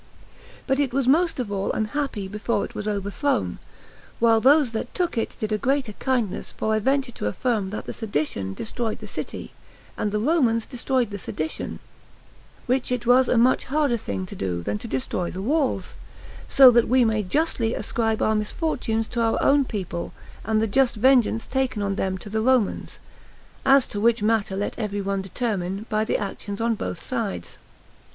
But it was most of all unhappy before it was overthrown, while those that took it did it a greater kindness for I venture to affirm that the sedition destroyed the city, and the Romans destroyed the sedition, which it was a much harder thing to do than to destroy the walls; so that we may justly ascribe our misfortunes to our own people, and the just vengeance taken on them to the Romans; as to which matter let every one determine by the actions on both sides.